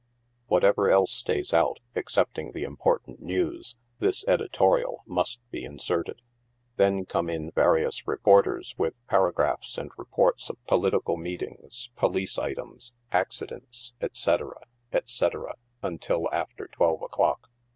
Whatever else stays out excepting the impor tant news, this editorial must be inserted. Then come in various reporters with paragraphs and reports of political meetings, police 102 NIGHT SIDE OF NEW YORK. items, accidents, etc., etc., until after twelve o'clock.